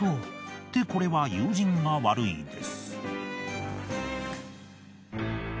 ってこれは友人が悪いです。